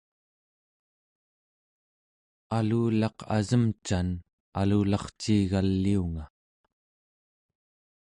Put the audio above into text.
alulaq asemcan alularciigaliunga